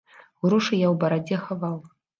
Грошы я ў барадзе хаваў.